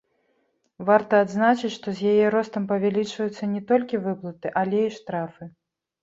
Варта адзначыць, што з яе ростам павялічваюцца не толькі выплаты, але і штрафы.